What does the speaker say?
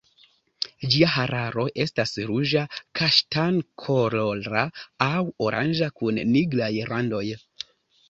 Ĝia hararo estas ruĝa kaŝtan-kolora aŭ oranĝa kun nigraj randoj.